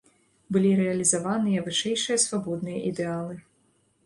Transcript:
Былі рэалізаваныя вышэйшыя свабодныя ідэалы.